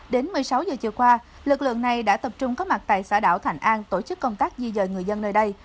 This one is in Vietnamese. đến một mươi sáu giờ chiều qua lực lượng này đã tập trung có mặt tại xã đảo thạnh an tổ chức công tác di dời người dân nơi đây